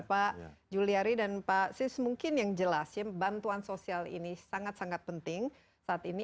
pak juliari dan pak sis mungkin yang jelas ya bantuan sosial ini sangat sangat penting saat ini